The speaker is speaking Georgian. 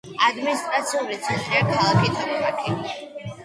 ადმინისტრაციული ცენტრია ქალაქი თოქმაქი.